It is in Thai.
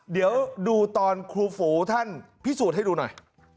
เดี๋ยวดูตอนครูฝูท่านพิสูจน์ให้ดูหน่อย